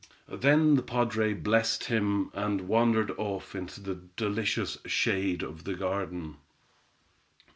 Then the padre blessed him, and wandered off into the delicious shade of the garden.